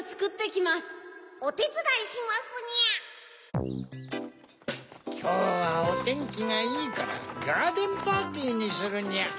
きょうはおてんきがいいからガーデンパーティーにするにゃ。